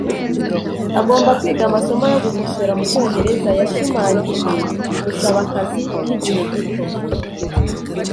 Agomba kwiga amasomo yo gukosora mucyongereza. Yashimangiye gusaba akazi k'igihe gito.